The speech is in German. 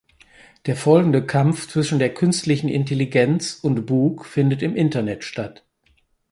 Der folgende Kampf zwischen der künstlichen Intelligenz und Bug findet im Internet statt.